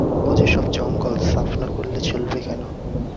ও যে সব জঙ্গল, সাফ না করলে চলবে কেন।